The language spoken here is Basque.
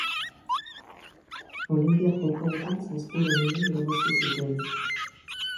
Olinpiar Jokoetan zazpi domina irabazi zituen.